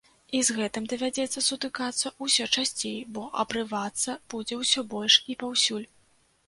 І з гэтым давядзецца сутыкацца ўсё часцей, бо абрывацца будзе ўсё больш і паўсюль.